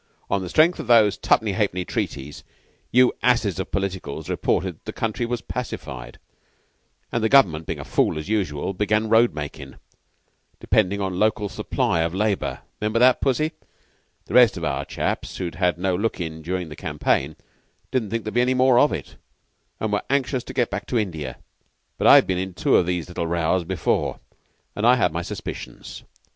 On the strength of those tuppenny ha'penny treaties, your asses of Politicals reported the country as pacified, and the Government, being a fool, as usual, began road makin' dependin' on local supply for labor. 'Member that, Pussy? 'Rest of our chaps who'd had no look in during the campaign didn't think there'd be any more of it, and were anxious to get back to India. But I'd been in two of these little rows before, and I had my suspicions.